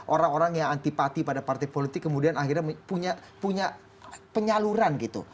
orang orang yang antipati pada partai politik kemudian akhirnya punya penyaluran gitu